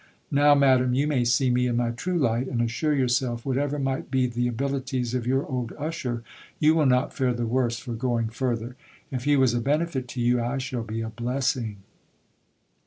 Now, madam, you may see me in my true light ; and assure yourself, whatever might be the abilities of your old usher, you will not fare the worse for going further. If he was a benefit to you, I shall be a blessing.